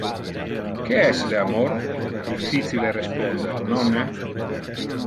Que es le amor? Difficile responder nonne?